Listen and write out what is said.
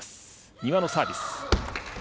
丹羽のサービス。